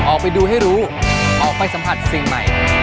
ออกไปดูให้รู้ออกไปสัมผัสสิ่งใหม่